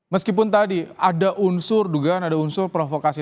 meskipun tadi ada unsur dugaan ada unsur provokasi